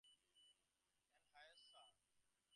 And Hayes's, sir.